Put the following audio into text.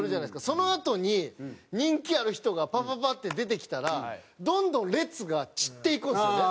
そのあとに人気ある人がパパパッて出てきたらどんどん列が散っていくんですよね。